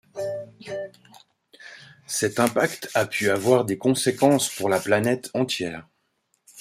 Cet impact a pu avoir des conséquences pour la planète entière.